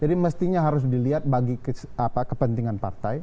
jadi mestinya harus dilihat bagi kepentingan partai